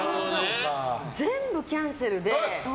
全部キャンセルで。